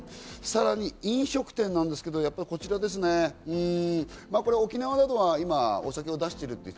さらに飲食店ですが、沖縄などはお酒を出しています。